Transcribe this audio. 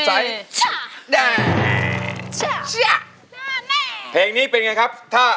ส่องถีสิบ